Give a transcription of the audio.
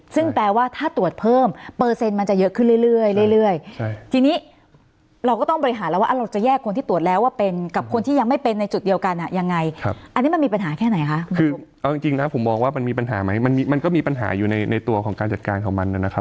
ซึ่งแปลว่าถ้าตรวจเพิ่มเปอร์เซ็นต์มันจะเยอะขึ้นเรื่อยเรื่อยทีนี้เราก็ต้องบริหารแล้วว่าเราจะแยกคนที่ตรวจแล้วว่าเป็นกับคนที่ยังไม่เป็นในจุดเดียวกันอ่ะยังไงอันนี้มันมีปัญหาแค่ไหนคะคือเอาจริงนะผมมองว่ามันมีปัญหาไหมมันมันก็มีปัญหาอยู่ในตัวของการจัดการของมันนะครับ